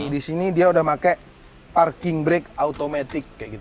disini dia udah pake parking brake automatic kayak gitu